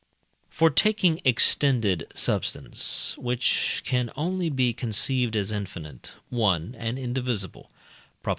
For, taking extended substance, which can only be conceived as infinite, one, and indivisible (Props.